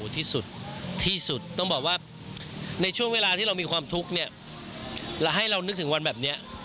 ที่สุดที่สุดต้องบอกว่าในช่วงเวลาที่เรามีความทุกข์เนี่ยเราให้เรานึกถึงวันแบบนี้